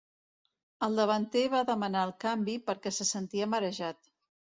El davanter va demanar el canvi perquè se sentia marejat.